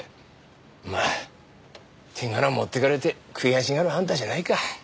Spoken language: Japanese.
まあ手柄持っていかれて悔しがるあんたじゃないか。